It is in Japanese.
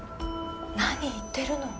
何言ってるの。